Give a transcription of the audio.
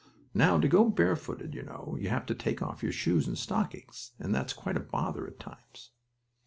Now, to go barefooted, you know, you have to take off your shoes and stockings, and that's quite a bother at times.